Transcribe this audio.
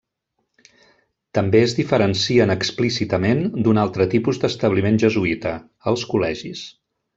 També es diferencien explícitament d'un altre tipus d'establiment jesuïta: els col·legis.